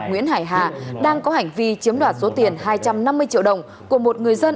nguyễn hải hà đang có hành vi chiếm đoạt số tiền hai trăm năm mươi triệu đồng của một người dân